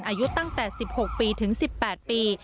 อายุตั้งแต่๑๖ปีถึง๑๘ปี